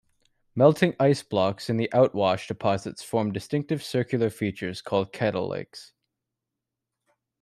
Melting ice blocks in the outwash deposits formed distinctive circular features called kettle lakes.